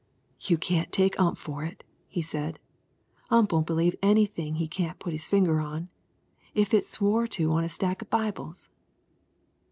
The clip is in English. "You can't take Ump for it," said he. "Ump won't believe anything he can't put his finger on, if it's swore to on a stack of Bibles.